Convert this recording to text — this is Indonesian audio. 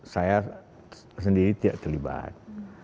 saya sendiri tidak terlibat